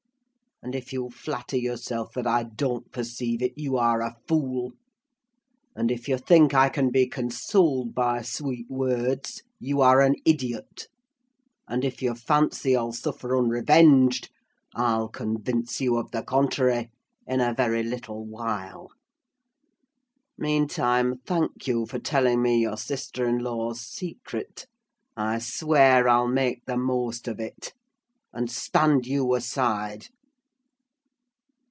And if you flatter yourself that I don't perceive it, you are a fool; and if you think I can be consoled by sweet words, you are an idiot: and if you fancy I'll suffer unrevenged, I'll convince you of the contrary, in a very little while! Meantime, thank you for telling me your sister in law's secret: I swear I'll make the most of it. And stand you aside!"